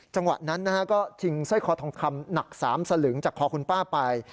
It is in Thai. จังหวะนั้นก็ชิงสร้อยคอทองคำหนัก๓สลึงจากคอคุณป้าไป